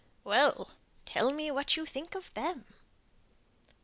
"Well! tell me what you think of them!"